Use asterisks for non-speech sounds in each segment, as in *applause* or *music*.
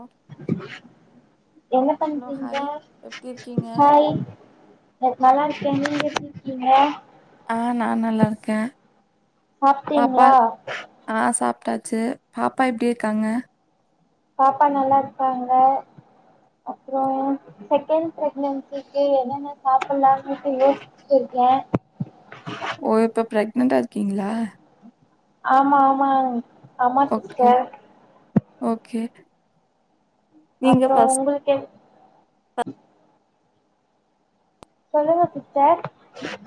ஆ என்ன ஹலோ பண்றீங்க ஹாய் எப்டி இருக்கீங்க ஹாய் நல்லா இருக்கே நீங்க எப்படி இருக்கீங்க க்கா சாப்பிட்டீங்களா சாப்டாச்சு பாப்பா எப்படி இருக்காங்க பாப்பா நல்லா இருக்காங்க அப்புறம் செகண்ட் பிரெக்னென்சிக்கு என்னென்ன சாப்பிடலாம்ன்னு யோசிச்சிட்டு இருக்கேன் ஓ இப்ப பிரெக்னன்டா இருக்கீங்களா ஆமா ஆமாங் ஆமா ஓகே சிஸ்டர் ஓகே நீங்க அப்புறம் ஃபஸ் உங்களுக்கு சொல்லுங்க சிஸ்டர்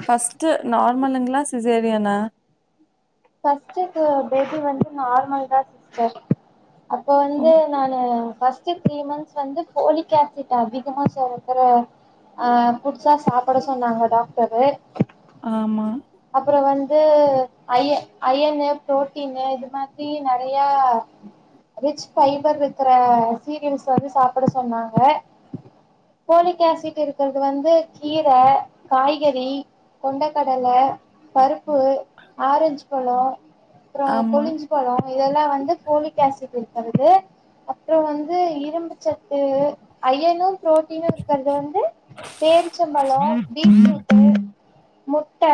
ஃபஸ்ட்டு நார்மலுங்களா சிசேரியனா ஃபஸ்ட்டு பேபி வந்து நார்மல் தான் சிஸ்டர் அப்போ ஓ வந்து நானு ஃபஸ்ட்டு த்ரீ மந்த்ஸ் வந்து போலிக் ஆசிட் அதிகமாக சேர்கக்கிற அ ஃபுட்ஸா சாப்பிட சொன்னாங்க டாக்டரு ஆமா அப்புறம் வந்து அய அயனு புரோட்டீனு இது மாதிரி நெறைய ரிச் ஃபபர் இருக்கிற சீரியல்ஸ் வந்து சாப்பிட சொன்னாங்க போலிக் ஆசிட் இருக்கிறது வந்து கீரை காய்கறி கொண்டக்கடல பருப்பு ஆரஞ்சு பழம் அப்புறம் ஆமா கொளிஞ்சு பழம் இதெல்லாம் வந்து ஃபோலிக் ஆசிட்டு இருக் வருது அப்புறம் வந்து இரும்புச்சத்து ஐயனும் பு்ரோட்டீனா இருக்குறது வந்து பேரிச்சம்பழம் பீட்ரூட்டு் முட்ட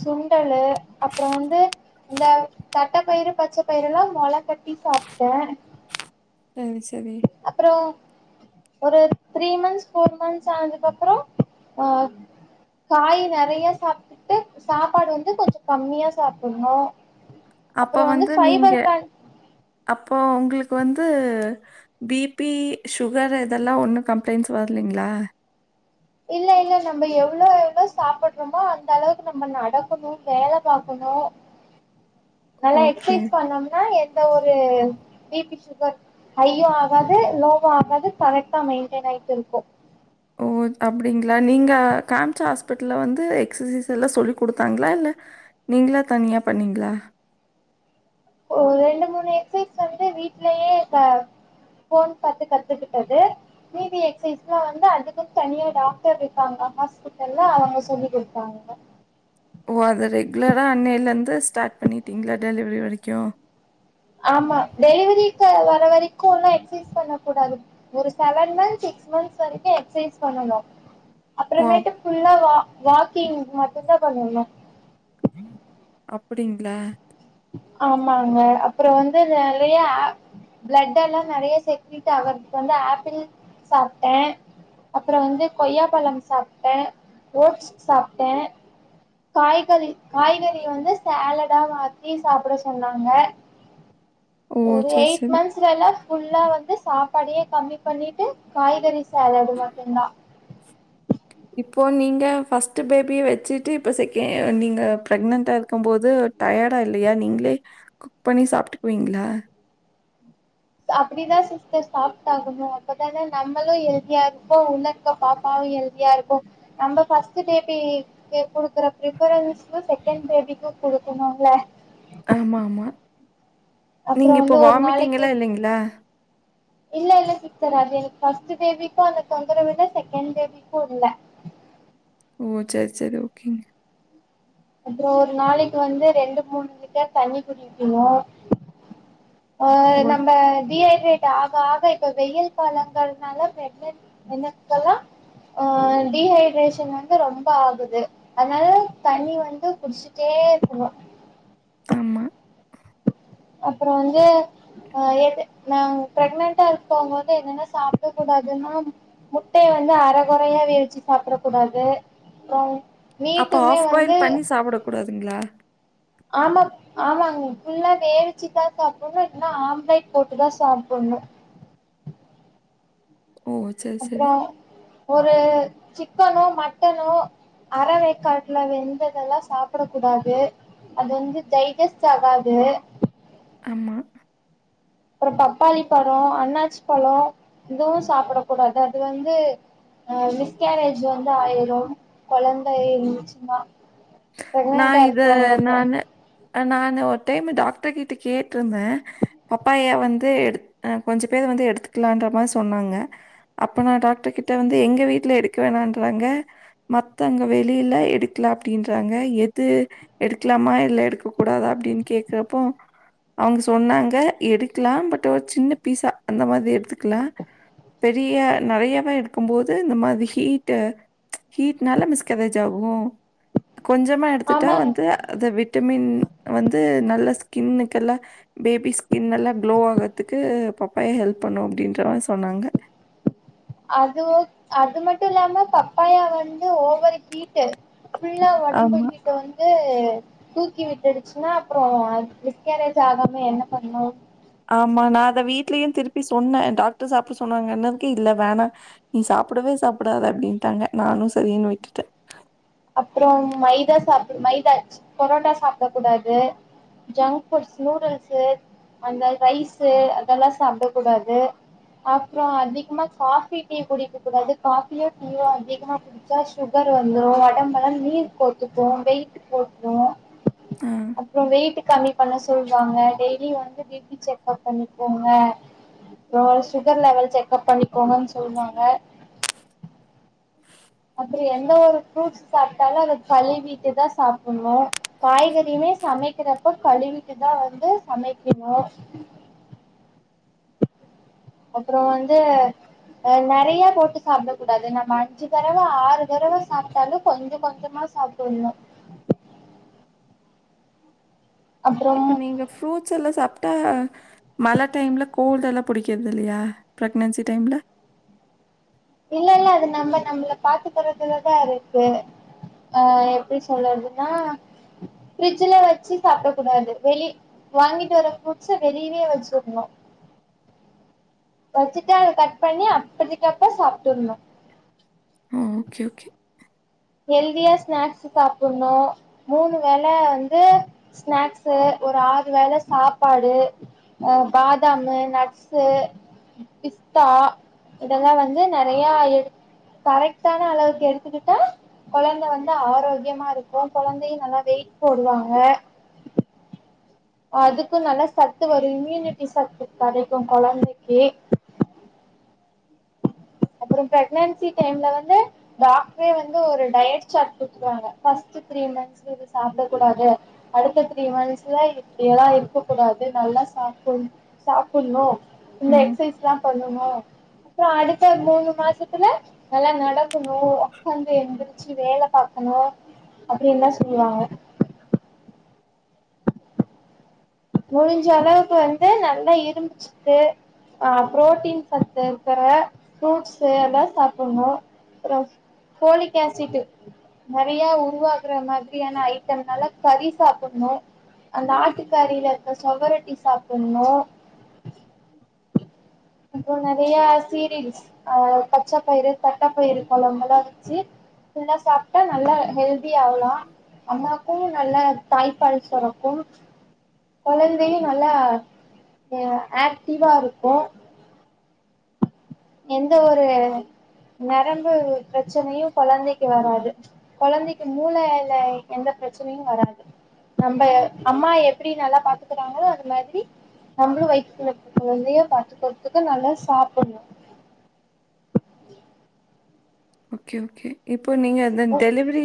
சுண்டலு அப்புறம் வந்து இந்த தட்டைப்பயிறு பச்சை பயிரு எல்லாம் முள கட்டி சாப்பிட்டேன் செரி செரி ஒரு த்ரீ மந்த்ஸ் ஃபோர் மந்த்ஸ் ஆனதுக்கு அப்புறம் ஆஹ் காய் நெறைய சாப்பிட்டு சாப்பாடு வந்து கொஞ்சம் கம்மியா சாப்பிடணும் அப்ப வந்து நீங்க அப்போ உங்களுக்கு வந்து பி பி சுகர் இதெல்லாம் ஒன்னும் கம்ப்ளைண்ட்ஸ் வரலீங்களா இல்ல இல்ல நம்ம எவ்வளவு எவ்வளவு சாப்படுறோமோ அந்த அளவுக்கு நம்ம நடக்கணும் வேல பாக்கணும் நல்லா ஓகே எக்சசைஸ் பண்ணம்னா எந்த ஒரு பி பி சுகர் ஹையும் ஆகாது லோவும் ஆகாது கரெக்டா மெயின்டெயின் ஆயிட்டு இருக்கும் ஓ அப்படிங்களா நீங்க காம்ச்சா ஹாஸ்பிட்டல்ல வந்து எக்ஸசைஸ் எல்லாம் சொல்லி குடுத்தாங்களா இல்ல நீங்களெ தனியா பண்ணீங்களா ஓ ரெண்டு மூணு எக்ஸ்சைஸ் வந்து வீட்லயே ஃபோன் பாத்து கத்துக்கிட்டது மீதி எக்ஸ்சைஸ்யெல்லாம் வந்து அதுக்கு தனியா டாக்டர் இருக்காங்க ஹாஸ்பிட்டல்லே அவங்க சொல்லி குடுத்தாங்க ஓ அதது ரெகுலரா அன்னையிலே இருந்து ஸ்டார்ட் பண்ணிட்டீங்களா டெலிவரி வரைக்கும் ஆமா டெலிவரிக்கு வர வரைக்குலா எகஸ்சைஸ் பண்ணகூடாது ஒரு செவன் மன்த் சிக்ஸ் மன்த்ஸ் வரைக்கு எக்ஸ்சைஸ் பண்ணணு ஓ! அப் அப்புறமேட்டு புல்லா வா வாக்கிங் மட்டும்தா பண்ணனு அப்டிங்களா ஆமாங்க அப்புறோ வந்து நெறைய ஆப் பிளட் எல்லா நெறைய சேக்டிக் அவறதுக்கு வந்து ஆப்பிள் சாப்பிட்டே அப்புறோ வந்து கொய்யாப்பழம் சாப்பிட்டே ஓட்ஸ் சாப்பிட்டே காய்கறி காய்கறி வந்து சேலடா மாத்தி சாப்புட சொன்னாங்க ஓ! ஒரு சரி, எயிட் சரி. மந்த்ஸ் எல்லா ஃபுல்ஆ நான் வந்து சாப்பாடே கம்மி பண்ணிட்டு காய்கறி சாலாட் மட்டு தா இப்போ நீங்க ஃபர்ஸ்ட் பேபிய வச்சுட்டு இப்போ செகண் நீங்க பிரெக்னன்டா இருக்கு போது டயர்டா இல்லையா நீங்களே குக் பண்ணி சாப்ட்டுக்குவீங்களா அப்டிதா சிஸர் சாப்டாகணு அப்பதான நம்மளு ஹெல்தியா இருப்போ உள்ள இருக்க பாப்பாவு ஹெல்தியா இருக்கு நம்ம பர்ஸ்ட் பேபிக் குடுக்குற பிரப்ரன்ஸ் செகண்ட் பேபிக்கு குடுக்கணும்ல ஆமா ஆமா அப்றோ நீங்க இப்ப வந்து ஒரு வாமிட்டிங்க் நாளைக்கு எல்லா இல்லைங்கள இல்ல இல்ல சிஸ்டர் அது ஃபஸ்ட் பேபிக்கோ அந்த தொந்தரவு இல்ல செகண்ட் பேபிக்கு இல்ல ஓ சேரி சேரி ஓகேங்க அப்றோ ஒரு நாளைக்கு வந்து ரெண்டு மூணு லிட்டர் தண்ணி குடிப்பிங்க ஆ ஓ! நம்ம டிஹைட்ரேட் ஆ *unintelligible* இப்ப வெயில் காலங்கள்னால *unintelligible* எல்லா ஆ டிஹைட்ரேஷன் வந்து ரொம்ப ஆகுது அதனால தண்ணி வந்து ந்து குடிச்சிட்டே இருக்கணு ஆமா அப்புறோ வந்து அ எது நா பிரெக்னென்டா இருக்கவங்க வந்து என்னென்ன சாப்ட கூடாதுன்னா முட்டைய வந்து அர கொறையா வேய்ச்சு சாப்ட கூடாது அப்றோ அப்ப மீட்டுமே ஆஃப்பாயில் வந்து பண்ணி சாப்பட கூடாதுங்களா ஆமா ஆமாங்க ஃபுல்லா வேவிச்சுதா சாப்புனு இல்லனா ஆம்லைட் போட்டுதா சாப்புனு ஓ! சரி, சரி. அப்புறோ ஒரு சிக்கனோ மட்டனோ அறவேக்காட்டுல வெந்ததெல்லா சாப்பட கூடாது அது வந்து டைஜஸ்ட் ஆகாது ஆமா அப்றோ பப்பாளி பறோ அண்ணாச்சி பலோ இதுவு சாப்பட கூடாது அது வந்து ஆ மிஸ்கேரேஜ் வந்து ஆயிரு கொழந்த இருந்துச்சுன்னா நா பிரெக்னன்டா இத இருக்கவங்க இப்ப நானு நானு ஒரு டைம் டாக்டர் கிட்ட கேட்டிருந்த பப்பாயா வந்து எடு ஆ கொஞ்சோ பேர் வந்து எடுத்துக்கலான்ற மாரி சொன்னாங்க அப்போ நா டாக்டர் கிட்ட வந்து எங்க வீட்ல எடுக்க வேணான்ன்றாங்க மத்த அங்க வெளியில எடுக்கலா அப்ப அப்டின்றங்க எது எடுக்கலாமா இல்ல எடுக்கக்க கூடாதா அப்டின்னு கேக்கறப்போ அவுங்க சொன்னாங்க எடுக்கலா பட் ஒரு சின்ன பீஸா அந்த மாதிரி எடுத்துக்கலா பெரிய நெறையாவா எடுக்கு போது இந்த மாரி ஹீட் ஹீட்னால மிஸ்கரேஜ் ஆகு கொஞ்சமா எடுத்துட்டா ஆமாங்க வந்து அது விட்டமின் வந்து நல்ல ஸ்கின் க்கெல்லா பேபி ஸ்கின் எல்லா க்ளோ ஆகுறதுக்கு பப்பாயா ஹெல்ப் பண்ணு அப்டின்ற மாரி சொன்னாங்க அது அது மட்டு இல்லாம பப்பாயா வந்து ஓவர் ஹீட்டு ஃபுல்லா ஒடம்பு ஆமா, ஹீட்ட வந்து தூக்கி விட்டுடுச்சுன்னா அப்புறோ மிஸ்கேரேஜ் ஆகாம என்ன பண்ணு ஆமா நா அத வீட்லயு திருப்பி சொன்ன டாக்டர் சாப்பட சொன்னாங்கன்னதுக்கு இல்ல வேணா நீ சாப்படவே சாப்படாத அப்டின்டாங்க நானு சரினு விட்டுட்ட அப்றோ மைதா சாப் மைதா பொரோட்டா சாப்டக்க கூடாது ஜங்க்புட்ஸ் நூடுல்ஸ் அந்த ரைஸ் அதெல்லா சாப்டக் கூடாது அப்றோ அதிகமா காபி டீ குடிக்க கூடாது காபியோ டீயோ அதிகமா குடிச்சா சுகர் வந்துரு ஒடம்பெல்லா நீர் கோத்துக்கு வெய்ட் போட்ரு ஆ. அப்றோ வெயிட் கம்மி பண்ண சொல் வாங்க டெய்லியு வந்து பிபி செக்கப் பண்ணிக்கோங்க அப்றோ சுகர் லெவல் செக்கப் பண்ணிக்கோங்கனு சொல்வாங்க அப்றோ எந்த ஒரு ஃப்ரூட்ஸ் சாப்ட்டாலு அத கழுவீட்டுதா சாப்பணு காய்கறியுமே சமைக்கிறப்ப கழுவீட்டுதா வந்து சமைக்கணு அப்றோ வந்து அ நெறைய போட்டு சாப்டக் கூடாது நம்ம அஞ்சு தடவ ஆறு தடவ சாப்ட்டாலு கொஞ்சோ கொஞ்சமா சாப்படணு இப்ப நீங்க ஃப்ரூட்ஸ் எல்லா சாப் ஆஹ் மழ டைம்ல கோல்டல்லா புடிக்கிறதில்லையா பிரெக்னன்சி டைம்ல இல்ல இல்ல அது நம்ம நம்மளை பாத்துக்கறதுலதா இருக்கு அ எப்டி சொல்றதுன்னா ஃபிரிட்ஜ்ல வச்சு சாப்பட கூடாது வெளி வாங்கிட்டு வர ஃப்ரூட்ஸ வெளியவே வச்சரணு வச்சுட்டு அத கட் பண்ணி அப்படிதக்குப்பற சாப்ட்டுனோ ஆ ஓகே ஓகே ஹெல்தியா ஸ்நாக்ஸ்சு சாப்பிடணு மூணு வேல வந்து ஸ்நாக்சு ஒரு ஆறு வேல சாப்பாடு அஹ பாதாமு நட்சு பிஸ்தா இதெல்லா வந்து நிறைய எடுத் கரெக்டான அளவுக்கு எடுத்துக்கிட்டா குழந்தை வந்து ஆரோக்கியமா இருக்கும் குழந்தையும் நல்லா வெயிட் போடுவாங்க அதுக்கும் நல்ல சத்து வரும் இம்யூனிட்டி சத்து கடைக்கும் குழந்தைக்கு அப்புறம் பிரெக்னன்சி டைம்ல வந்து டாக்டரே வந்து ஒரு டயட் சாட் கொடுத்துவாங்க ஃபர்ஸ்ட் த்ரீ மந்த்ஸ்கு இது சாப்பிட கூடாது அடுத்த த்ரீ மந்த்ஸ்ல இப்படில்லாம் இருக்க கூடாது நல்லா சாப் சாப்பிடணும் இந்த ம். எக்சசைஸ் ல பண்ணுவோ அப்புறம் அது இப்ப மூணு மாசத்துல நல்லா நடக்கணும் உடக்காந்து எந்திரிச்சு வேல பார்கணும் அப்படியெல்லாம் சொல்லுவாங்க முடிஞ்ச அளவுக்கு வந்து நல்லா இரும்பு சத்து ஆ புரோட்டீன் சத்து இருக்கற ஃப்ரூட்ஸ்சு எல்லாம் சாப்புடணும் அப்புறம் போலிக் ஆசிட் நிறைய உருவாக்குற மாதிரியான ஐட்டம்னால கறி சாப்புடணும் அந்த ஆட்டுக்கறில சுவரட்டி சாப்புடணும் இப்ப நிறைய சீரியல்ஸ் அஹ் பச்சாப்பயிறு தட்டைப்பயிறர் குழம்பு எல்லாம் வச்சு எல்லாம் சாப்பிட்டா நல்லா ஹெல்த த்தி ஆகலாம் அம்மாக்கும் நல்ல தாய்ப்பால் சுரக்கும் குழந்தையும் நல்லா ஆக்டிவா இருக்கும் எந்த ஒரு நரம்பு பிரச்சனையும் குழந்தைக்கு வராது குழந்தைக்கு மூளைையில எந்த பிரச்சனையும் வராது நம்ம அம்மா எப்படி நல்லா பாத்துக்கிறாங்களோ அது மாதிரி நம்மளும் வயித்துக்குள்ள இருக்குற குழந்தைய பாத்துக்கறதுக்கு நல்லா சாப்புடணும் *inaudible* ஓகே ஓகே யப் இப்போ நீங்க டெலிவரி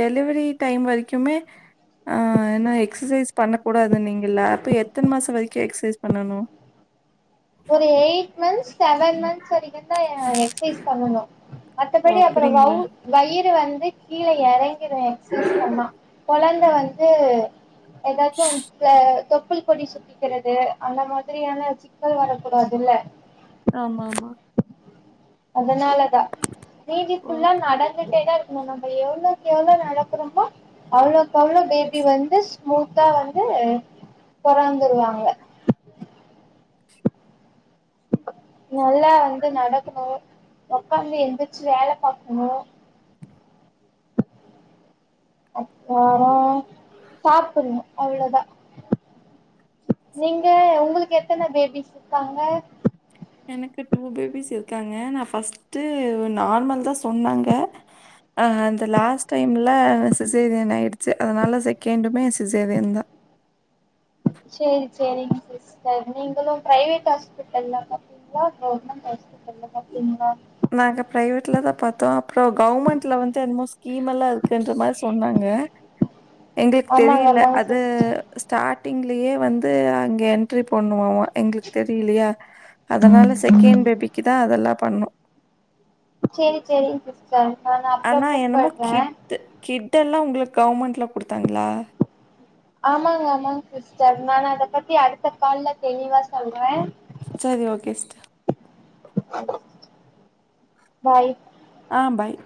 டெலிவரி டைம் வரைக்குமே ஆ ஏன எக்ஸசைஸ் பண்ணக்கூடாது நீங்கலா அப்ப எத்தன மாசம் வரைக்கும் எக்சசைஸ் பண்ணணும் ஒரு எயிட் மந்த்ஸ் செவன் மந்த்ஸ் ச இவன் தான் எக்சைஸ் பண்ணனும் ஓ! மத்தபடி அப்புறம் வவ் அப்டிங்களா? வயிறு வந்து கீழ எறங்கிடும் எக்ஸ்சைஸ் பண்ணா கொழந்த வந்து ஏதாச்சும் ப்ளே தொப் தொப்புள் கொடி சுத்திக்கிறது அந்த மாதிரியான மக்கள் வர கூடாதுல்ல ஆமா ஆமா அதனால ஓ! நீதிக்குல்ல நடந்துட்டே தான் இரு இ நம்ம எவ்வளவுக்கு எவ்வளவு நடக்கறோமோ அவ்ளவுக்கு அவ்வளவு பேபி வந்து ஸ்மூத்தா வந்து பொறந்துருவாங்க நல்லா வந்து நடக்கணும் ஒக்காந்து எந்திரிச்சி வேல பாக்கணு அப்பறம் சாப்புணும் அவ்வளோதான் நீங்க உங்களுக்கு எத்தன பேபிஸ் இருக்காங்க எனக்கு டூ பேபிஸ் இருக்காங்க நான் ஃபஸ்ட் நார்மல் தான் சொன்னாங்க அஹ் அந்த லாஸ்ட் டைம்ல சிசேரியன் ஆயிடுச்சு அதனால செகண்டுமே சிசேரியன் தான் செரி செரிங்க சிஸ்டர் நீங்களும் பிரைவேட் ஹாஸ்பிட்டல்ல பாப்பீங்களா கவர்மண்ட் ஹாஸ்பிட்டல்ல பாப்பீங்களா நாங்க பிரைவேட்ல தான் பாத்தோம் அப்புறம் கவர்மெண்ட்ல வந்து என்னமோ ஸ்கீம் எல்லாம் இருக்குன்ற மாதிரி சொன்னாங்க எங்களுக்கு ஆமாங்க தெரியல ஆமாங்க அது சிஸ்டர் ஸ்டார்ட் எங்களையே வந்து அங்க என்ட்ரி பண்ணுவங்க எங்களுக்கு தெரியலையெ அதனால செகண்ட் பேபிக்கு தான் அதெல்லாம் பண்ணும் செரி செரிங்க சிஸ்டர் நானு அப்றோ ஆனா என்னமோ கூப்பட்றே கிட்ட கிட் இதெல்லா உங்களுக் கவர்மெண்ட்ல கொடுத்தாங்களா ஆமாங்க ஆமாங்க சிஸ்டர் நா அத பத்தி அடுத்த கால்ல தெளிவா சொல்றே சரி ஓகே சிஸ்டர் பாய் ஆஹ் பாய்